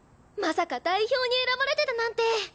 まさか代表に選ばれてたなんて！